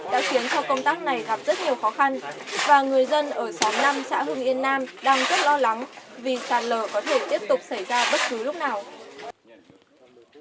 đã khiến cho công tác này gặp rất nhiều khó khăn và người dân ở xóm năm xã hưng yên nam đang rất lo lắng vì sạt lở có thể tiếp tục xảy ra bất cứ lúc nào